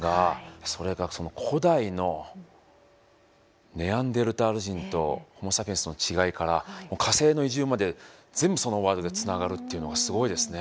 それがその古代のネアンデルタール人とホモ・サピエンスの違いから火星の移住まで全部そのワードでつながるっていうのはすごいですね。